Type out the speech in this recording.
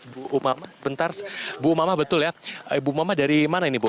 bu umama bentar bu umama betul ya bu umama dari mana ini bu